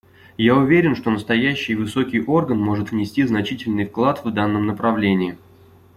Я уверен, что настоящий высокий орган может внести значительный вклад в данном направлении.